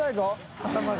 頭が。